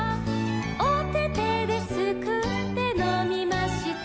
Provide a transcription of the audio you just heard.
「おててですくってのみました」